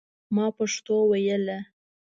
ما پښتو ویله.